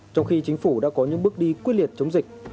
trong khi chính phủ đã có những bước đi quyết liệt chống dịch